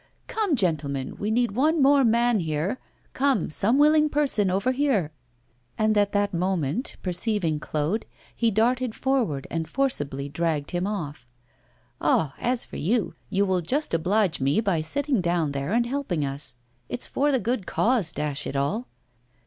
'Come, gentlemen, we need one more man here! Come, some willing person, over here!' And at that moment, perceiving Claude, he darted forward and forcibly dragged him off. 'Ah! as for you, you will just oblige me by sitting down there and helping us! It's for the good cause, dash it all!